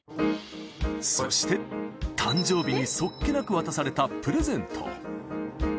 そして、誕生日にそっけなく渡されたプレゼント。